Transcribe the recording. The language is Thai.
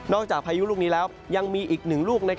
จากพายุลูกนี้แล้วยังมีอีกหนึ่งลูก